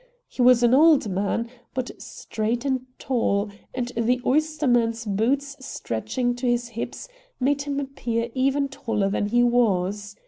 He was an old man, but straight and tall, and the oysterman's boots stretching to his hips made him appear even taller than he was.